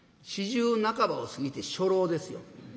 ４０半ばを過ぎて初老ですよ。